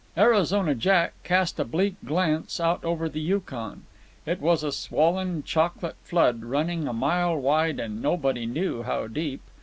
Arizona Jack cast a bleak glance out over the Yukon. It was a swollen, chocolate flood, running a mile wide and nobody knew how deep.